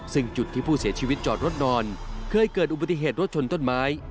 ซึ่งจุดที่ผู้เสียชีวิตจอดรถนอนเคยเกิดอุบัติเหตุรถชนต้นไม้